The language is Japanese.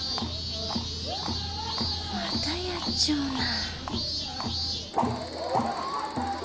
またやっちょうな。